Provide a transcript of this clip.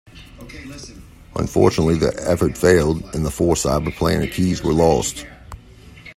Unfortunately, the effort failed, and the four Cyber Planet Keys were lost.